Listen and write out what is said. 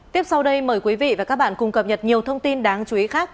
tiếp sau đây mời quý vị và các bạn cùng cập nhật nhiều thông tin đáng chú ý khác